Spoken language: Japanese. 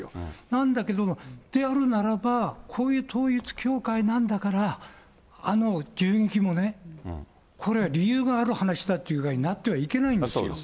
なんだけども、であるならば、こういう統一教会なんだから、あの銃撃もね、これは理由がある話だという具合になってはいけないんですよ。